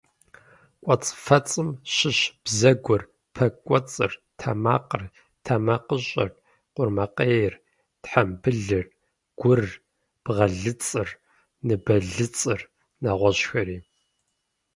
Кӏуэцӏфэцӏым щыщщ бзэгур, пэ кӏуэцӏыр, тэмакъыр, тэмакъыщӏэр, къурмакъейр, тхьэмбылыр, гур, бгъэлыцӏыр, ныбэлыцӏыр, нэгъуэщӏхэри.